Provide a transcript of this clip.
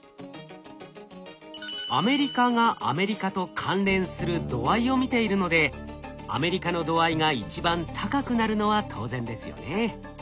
「アメリカ」がアメリカと関連する度合いを見ているので「アメリカ」の度合いが一番高くなるのは当然ですよね。